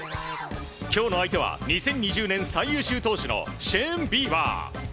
今日の相手は２０２０年最優秀投手のビーバー。